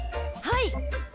はい。